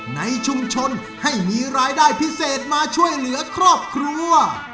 ในชุมชนให้มีรายได้พิเศษมาช่วยเหลือครอบครัว